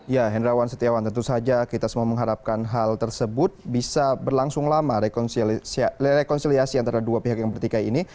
ya hendrawan setiawan tentu saja kita semua mengharapkan hal tersebut bisa berlangsung lama rekonsiliasi antara dua pihak yang bertikai ini